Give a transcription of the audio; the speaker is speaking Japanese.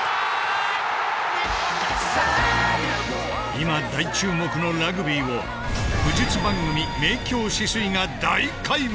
今大注目のラグビーを武術番組「明鏡止水」が大解剖。